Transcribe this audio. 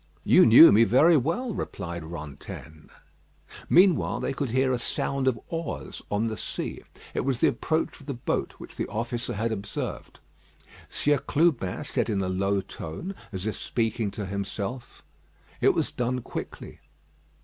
"You knew me very well," replied Rantaine. Meanwhile they could hear a sound of oars on the sea. It was the approach of the boat which the officer had observed. Sieur Clubin said in a low tone, as if speaking to himself: "It was done quickly."